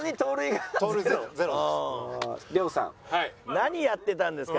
何やってたんですか？